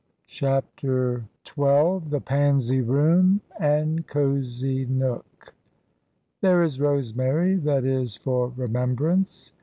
CHAPTER XII. THE PANZY ROOM AND COSY NOOK. "There is rosemary, that is for remembrance....